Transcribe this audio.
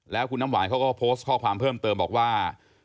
แล้วคุณน้ำหวานเขาก็โพสต์ข้อความเพิ่มเติมบอกว่า